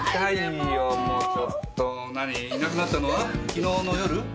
何いなくなったのは昨日の夜？